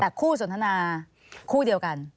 แต่คู่สนทนาคู่เดียวกัน